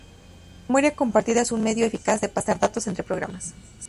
La memoria compartida es un medio eficaz de pasar datos entre programas.